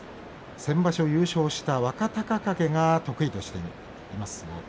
先場所、優勝した若隆景が得意としています